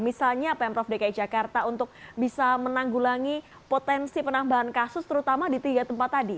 misalnya pemprov dki jakarta untuk bisa menanggulangi potensi penambahan kasus terutama di tiga tempat tadi